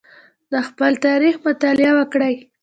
د خپل تاریخ مطالعه وکړئ.